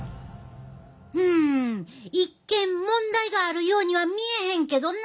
うん一見問題があるようには見えへんけどな。